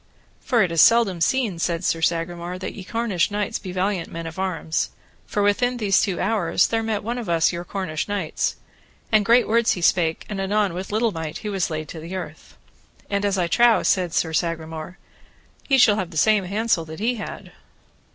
For it is seldom seen, said Sir Sagramore, that ye Cornish knights be valiant men of arms; for within these two hours there met us one of your Cornish knights, and great words he spake, and anon with little might he was laid to the earth. And, as I trow, said Sir Sagramore, ye shall have the same handsel that he had.